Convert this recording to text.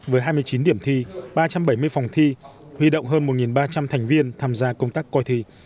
với hai mươi chín điểm thi ba trăm bảy mươi phòng thi huy động hơn một ba trăm linh thành viên tham gia công tác coi thi